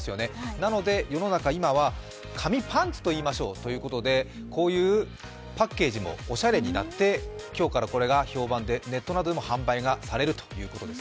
なので、世の中今は紙パンツと言いましょうということで、こういうパッケージもおしゃれになって、今日からこれが評判でネットなどでも販売がされるということです。